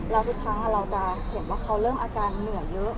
แล้วทุกครั้งเราจะเห็นว่าเขาเริ่มอาการเหนื่อยเยอะ